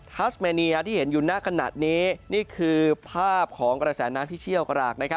ัสเมเนียที่เห็นอยู่หน้าขณะนี้นี่คือภาพของกระแสน้ำที่เชี่ยวกราก